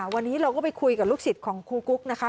วันนี้เราก็ไปคุยกับลูกศิษย์ของครูกุ๊กนะคะ